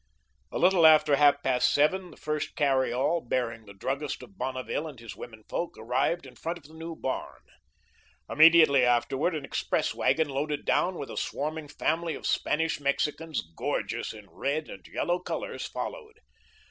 A little after half past seven, the first carry all, bearing the druggist of Bonneville and his women folk, arrived in front of the new barn. Immediately afterward an express wagon loaded down with a swarming family of Spanish Mexicans, gorgeous in red and yellow colours, followed.